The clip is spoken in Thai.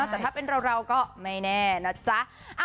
แต่ถ้าเป็นเราก็ไม่แน่นะจ๊ะ